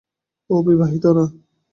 ও বিবাহিত না।